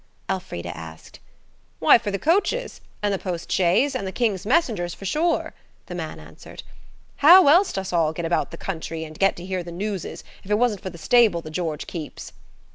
Elfrida asked. "Why, for the coaches, and the post shays, and the King's messengers, for sure," the man answered. "How else'd us all get about the country, and get to hear the newses, if it wasn't for the stable the 'George' keeps?"